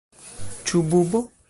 Ĉu bubo?